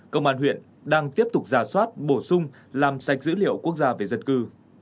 công an huyện đang tiếp tục giả soát bổ sung làm sạch dữ liệu quốc gia về dân cư